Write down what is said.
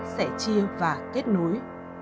sẻ chia và kết nối